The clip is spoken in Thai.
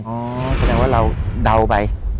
แสดงว่าเราเดาไป